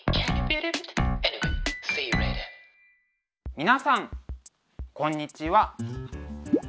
皆さんこんにちは。